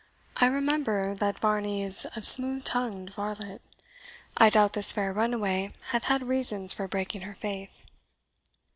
I remember that Varney is a smooth tongued varlet. I doubt this fair runaway hath had reasons for breaking her faith."